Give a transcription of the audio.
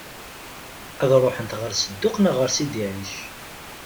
Ad ṛuḥent ɣer Sedduq neɣ ɣer Sidi Ɛic?